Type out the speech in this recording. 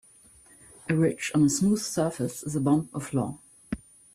A ridge on a smooth surface is a bump or flaw.